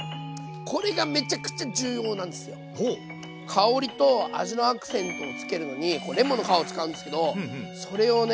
香りと味のアクセントをつけるのにレモンの皮を使うんですけどそれをね